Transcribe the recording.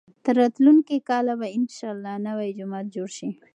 تر راتلونکي کاله به انشاالله نوی جومات جوړ شي.